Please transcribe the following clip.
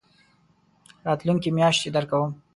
راتلونکې میاشت يي درکوم